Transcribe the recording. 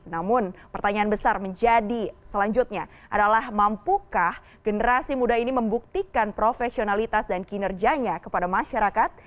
namun pertanyaan besar menjadi selanjutnya adalah mampukah generasi muda ini membuktikan profesionalitas dan kinerjanya kepada masyarakat